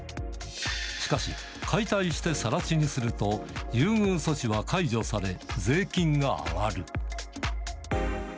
しかし、解体してさら地にすると、優遇措置は解除され、税金が上がる。